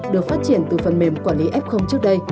được phát triển từ phần mềm quản lý f trước đây